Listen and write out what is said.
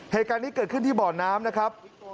เหตุการณ์นี้เกิดขึ้นที่บ่อน้ำนะครับ